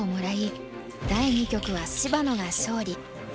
第二局は芝野が勝利。